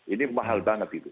ini mahal banget itu